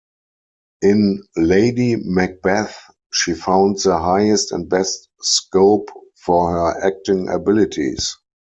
In Lady Macbeth she found the highest and best scope for her acting abilities.